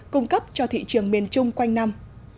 cung cấp cho thị trường miền trung quanh năm